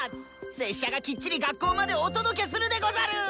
拙者がきっちり学校までお届けするでござる！